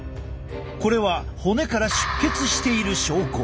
これは骨から出血している証拠。